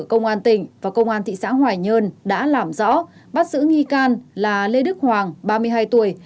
công an tỉnh và công an thị xã hoài nhơn đã làm rõ bắt giữ nghi can là lê đức hoàng ba mươi hai tuổi